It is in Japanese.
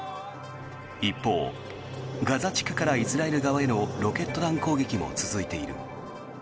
一方、ガザ地区からイスラエル側へのロケット弾攻撃も続いている。